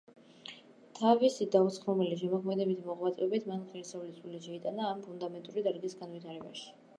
თავისი დაუცხრომელი შემოქმედებითი მოღვაწეობით მან ღირსეული წვლილი შეიტანა ამ ფუნდამენტური დარგის განვითარებაში.